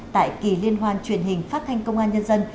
tại kỳ liên hoan truyền hình phát thanh công an nhân dân